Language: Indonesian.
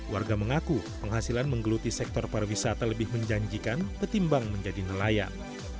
warga mengaku penghasilan menggeluti sektor pariwisata lebih menjanjikan ketimbang menjadi nelayan